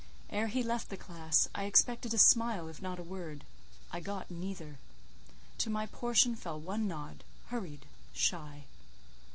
Ere he left the classe, I expected a smile, if not a word; I got neither: to my portion fell one nod—hurried, shy.